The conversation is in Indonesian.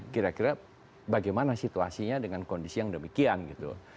kira kira bagaimana situasinya dengan kondisi yang demikian gitu